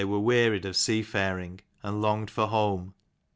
were wearied of seafaring, and longed for home.